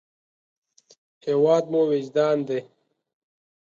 هېواد مو وجدان دی